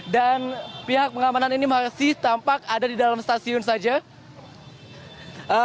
dan pihak pengamanan ini masih tampak ada di dalam stasiun saja